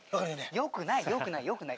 よくないよくないよくない。